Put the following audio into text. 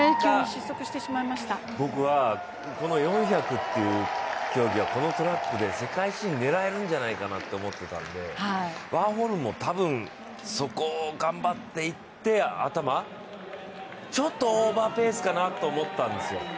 僕はこの４００ｍという種目はこのトラックで世界新、狙えるんじゃないかなと思ってたんでワーホルム、多分そこを頑張っていって頭、ちょっとオーバーペースかなって思ったんですよ。